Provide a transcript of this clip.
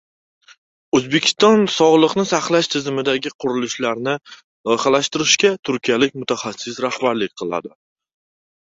O‘zbekiston sog‘liqni saqlash tizimidagi qurilishlarni loyihalashtirishga turkiyalik mutaxassis rahbarlik qiladi